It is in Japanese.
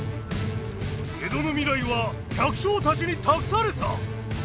江戸の未来は百姓たちに託された！